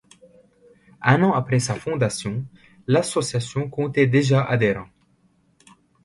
Un an après sa fondation, l'association comptait déjà adhérents.